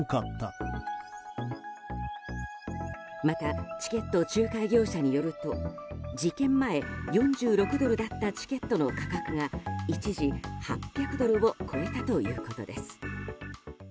またチケット仲介業者によると事件前、４６ドルだったチケットの価格が一時８００ドルを超えたということです。